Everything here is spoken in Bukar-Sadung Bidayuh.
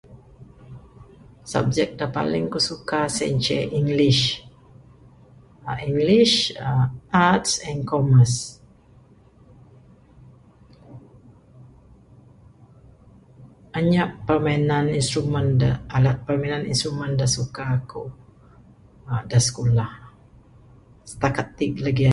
Subjek da paling ku suka sien ceh English...[uhh] English uhh arts and commerce...anyap permainan instrumen da alat permainan instrumen da suka ku da sikulah...setakat ti lagi anyap.